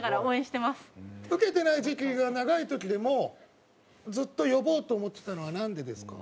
ウケてない時期が長い時でもずっと呼ぼうと思ってたのはなんでですか？